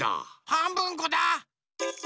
はんぶんこだ。